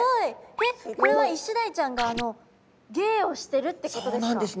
えっこれはイシダイちゃんが芸をしてるってことですか？